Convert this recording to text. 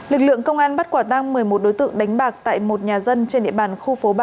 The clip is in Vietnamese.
lực lượng công an bắt quả tăng một mươi một đối tượng đánh bạc tại một nhà dân trên địa bàn khu phố ba